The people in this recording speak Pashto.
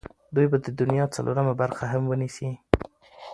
دوی به د دنیا څلورمه برخه هم ونیسي.